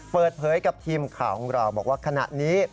เปิดเผยกับทีมข่าวของเราบอกว่าขณะนี้